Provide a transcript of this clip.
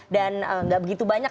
dan tidak begitu banyak